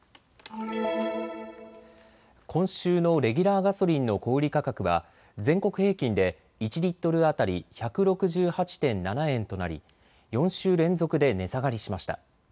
今週のレギュラーガソリンの小売価格は全国平均で１リットル当たり１６８．７円となり４週連続で値下がりしました。